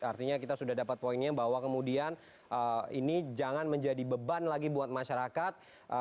artinya kita sudah dapat poinnya bahwa kemudian ini jangan menjadi beban lagi buat masyarakat